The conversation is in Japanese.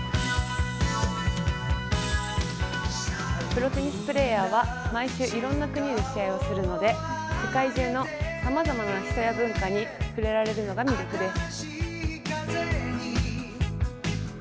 プロテニスプレーヤーは毎週いろいろな国で試合をするので、世界中のさまざまな人や文化に触れられるのが魅力です。